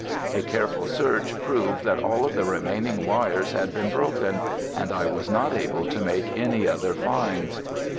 A careful search proved that all of the remaining wires had been broken and I was not able to make any other finds.